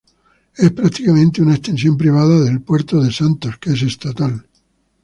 Es prácticamente una extensión privada del Puerto de Santos, que es estatal.